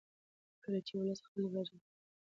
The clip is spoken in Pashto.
کله چې ولس خپله برخه واخلي نظام پیاوړی کېږي